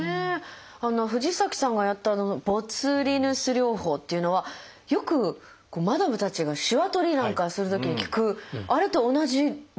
藤崎さんがやったボツリヌス療法っていうのはよくマダムたちがしわ取りなんかするときに聞くあれと同じですか？